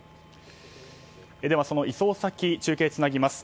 その移送先、中継をつなぎます。